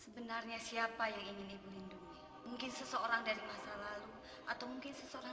sebenarnya siapa yang ingin ibu lindungi mungkin seseorang dari masa lalu atau mungkin seseorang